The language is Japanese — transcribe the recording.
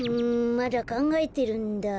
まだかんがえてるんだ。